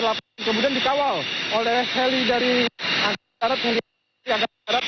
yang kemudian dikawal oleh heli dari angka terat